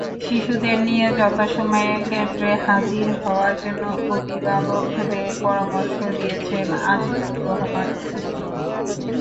শিশুদের নিয়ে যথাসময়ে কেন্দ্রে হাজির হওয়ার জন্য অভিভাবকদের পরামর্শ দিয়েছেন আজিজুর রহমান সিদ্দিকী।